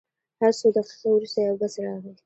هر څو دقیقې وروسته یو بس راغی.